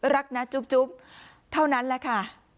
รักนะจุ๊บเท่านั้นแหละค่ะ